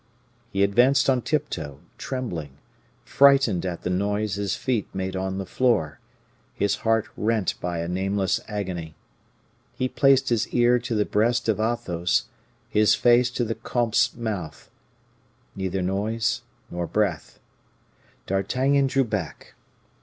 He advanced on tip toe, trembling, frightened at the noise his feet made on the floor, his heart rent by a nameless agony. He placed his ear to the breast of Athos, his face to the comte's mouth. Neither noise, nor breath! D'Artagnan drew back.